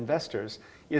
adalah tidak mungkin